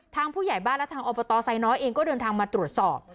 ผู้ใหญ่บ้านและทางอบตไซน้อยเองก็เดินทางมาตรวจสอบ